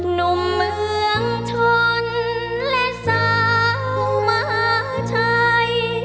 หนุ่มเมืองชนและสาวมหาชัย